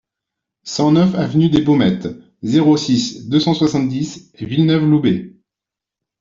cent neuf avenue des Baumettes, zéro six, deux cent soixante-dix Villeneuve-Loubet